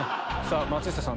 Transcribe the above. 松下さん